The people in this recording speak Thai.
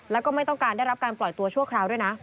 แล้วก็ไม่ต้องการได้รับการปล่อยตัวชั่วคราวด้วยนะ